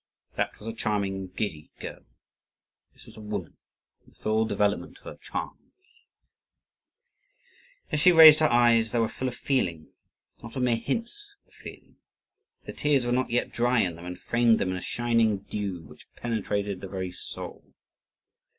That was a charming, giddy girl; this was a woman in the full development of her charms. As she raised her eyes, they were full of feeling, not of mere hints of feeling. The tears were not yet dry in them, and framed them in a shining dew which penetrated the very soul.